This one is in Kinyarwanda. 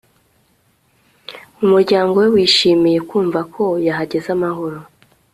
Umuryango we wishimiye kumva ko yahageze amahoro